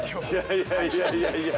◆いやいや、いやいや。